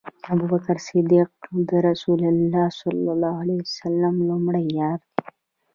ابوبکر صديق د رسول الله صلی الله عليه وسلم لومړی یار دی